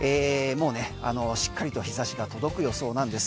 しっかりと日差しが届く予想なんです。